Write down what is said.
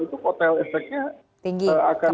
itu hotel efeknya akan